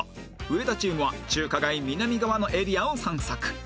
上田チームは中華街南側のエリアを散策